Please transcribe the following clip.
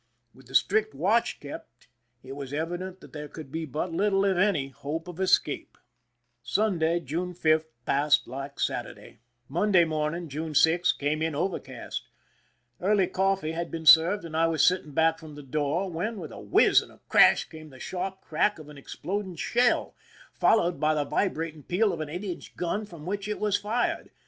With the strict watch kept, it was evident that there could be but little, if any, hope of escape. Sunday (June 5) passed like Saturday. 190 3I0RTAl;S ox TOP OF MOKRO. IMPRISONMENT IN MORRO CASTLE Monds^y morning, June 6, came in overcast. Early cofifee had been served, and I was sitting back from the door, when, with a whizz and a crash, came the sharp crack of an exploding shell, fol lowed by the vibrating peal of the eight inch gun from which it was fired.